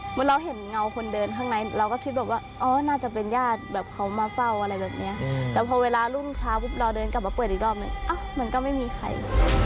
เหมือนเราเห็นเงาคนเดินข้างในเราก็คิดแบบว่าอ๋อน่าจะเป็นญาติแบบเขามาเฝ้าอะไรแบบนี้แต่พอเวลารุ่งเช้าปุ๊บเราเดินกลับมาเปิดอีกรอบนึงมันก็ไม่มีใคร